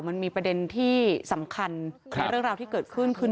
มันมีประเด็นที่สำคัญในเรื่องราวที่เกิดขึ้นคือ